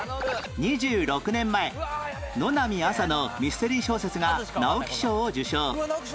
２６年前乃南アサのミステリー小説が直木賞を受賞